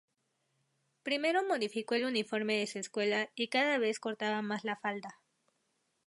Primero modificó el uniforme de su escuela y cada vez cortaba más la falda.